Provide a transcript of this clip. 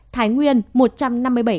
thái nguyên một trăm năm mươi bảy ca